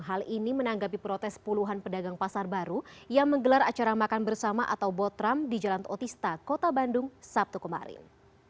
hal ini menanggapi protes puluhan pedagang pasar baru yang menggelar acara makan bersama atau botram di jalan otista kota bandung sabtu kemarin